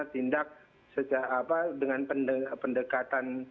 tindak dengan pendekatan